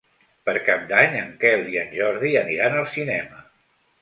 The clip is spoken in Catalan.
Per Cap d'Any en Quel i en Jordi aniran al cinema.